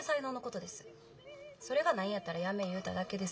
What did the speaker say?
それがないんやったらやめ言うただけです。